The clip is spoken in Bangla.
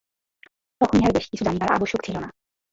তখন ইহার বেশি কিছু জানিবার আবশ্যক ছিল না।